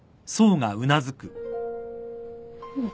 うん。